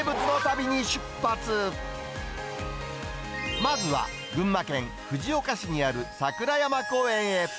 まずは群馬県藤岡市にある桜山公園へ。